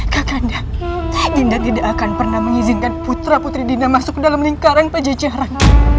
kakanda dinda tidak akan pernah mengizinkan putra putri dinda masuk dalam lingkaran pejejaran